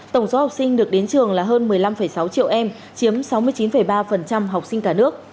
tổng số học sinh được đến trường là hơn một mươi năm sáu triệu em chiếm sáu mươi chín ba học sinh cả nước